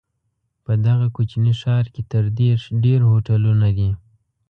په دغه کوچني ښار کې تر دېرش ډېر هوټلونه دي.